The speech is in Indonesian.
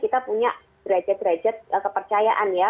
kita punya greget greget kepercayaan ya